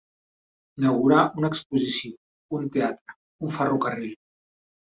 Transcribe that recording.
Inaugurar una exposició, un teatre, un ferrocarril.